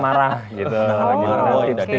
menahan amarah gitu